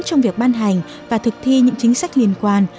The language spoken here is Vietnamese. trong việc ban hành và thực thi những chính sách liên quan